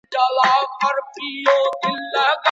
د چا د ژوند ماته بېړۍ خوښه ده